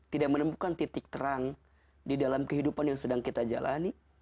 tidak menemukan titik terang di dalam kehidupan yang sedang kita jalani